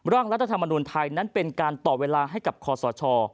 รัฐธรรมนุนไทยนั้นเป็นการต่อเวลาให้กับคอสช